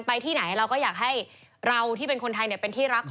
ที่ไหนเราก็อยากให้เราที่เป็นคนไทยเป็นที่รัก